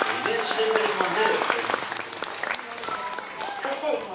そしてですね